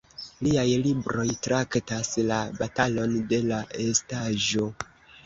Liaj libroj traktas la "batalon de la estaĵo".